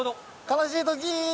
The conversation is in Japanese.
悲しいときー！